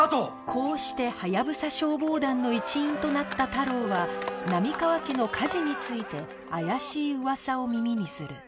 こうしてハヤブサ消防団の一員となった太郎は波川家の火事について怪しい噂を耳にする